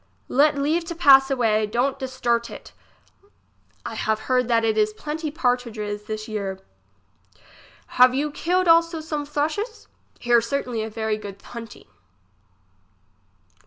Let leave to pass away, don't disturte it. I have heard that it is plenty pardridges this year. Have you killed also some thrushes. Here certainly a very good hunting.